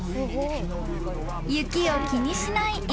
［雪を気にしない犬］